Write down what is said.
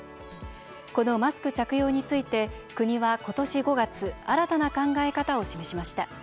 このマスク着用について国は今年５月新たな考え方を示しました。